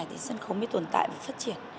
thì sân khấu mới tồn tại và phát triển